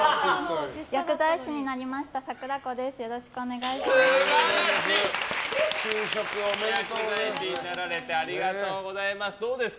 薬剤師になりましたさくらこです。